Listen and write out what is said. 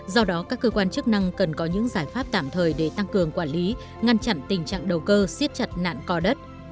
do đó các cơ quan chức năng cần có những giải pháp tạm thời để tăng cường quản lý ngăn chặn tình trạng đầu cơ siết chặt nạn co đất